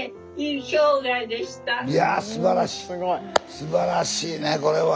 すばらしいねこれは。